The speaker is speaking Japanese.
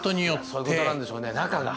そういうことなんでしょうね中が。